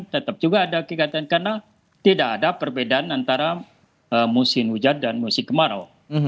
tetap juga ada kegiatan karena tidak ada perbedaan antara musim hujan dan musim kemarau